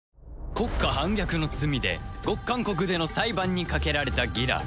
国家反逆の罪でゴッカン国での裁判にかけられたギラ